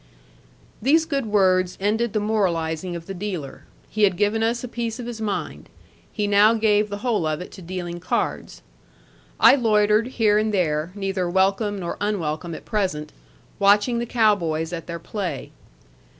These good words ended the moralizing of the dealer. He had given us a piece of his mind. He now gave the whole of it to dealing cards. I loitered here and there, neither welcome nor unwelcome at present, watching the cow boys at their play.